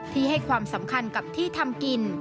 ให้ความสำคัญกับที่ทำกิน